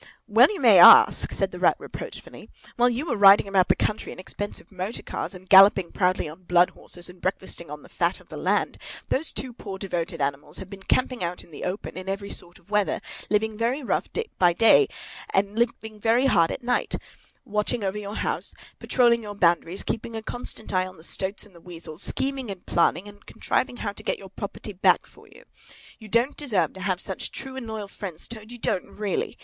"Well may you ask!" said the Rat reproachfully. "While you were riding about the country in expensive motor cars, and galloping proudly on blood horses, and breakfasting on the fat of the land, those two poor devoted animals have been camping out in the open, in every sort of weather, living very rough by day and lying very hard by night; watching over your house, patrolling your boundaries, keeping a constant eye on the stoats and the weasels, scheming and planning and contriving how to get your property back for you. You don't deserve to have such true and loyal friends, Toad, you don't, really.